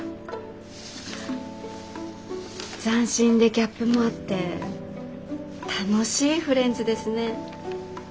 斬新でギャップもあって楽しいフレンズですね。